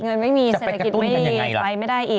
เงินไม่มีเศรษฐกิจไม่ไปไม่ได้อีก